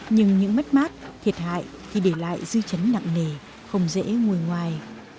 nhưng những mất mát thiệt hại thì để lại dư chấn nặng nề không dễ ngồi ngoài